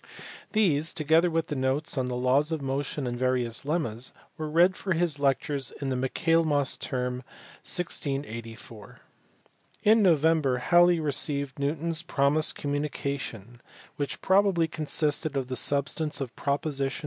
These, together with notes on the laws of motion and various lemmas, were read for his lectures in the Michaelmas Term, 1684. In November Halley received Newton s promised com munication, which probably consisted of the substance of props.